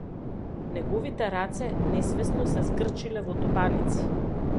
Неговите раце несвесно се згрчиле во тупаници.